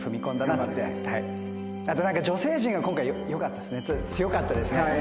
あとなんか女性陣が今回よかったですね強かったですね。